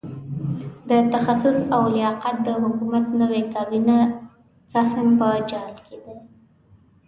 د تخصص او لیاقت د حکومت نوې کابینه د سهم په جال کې ده.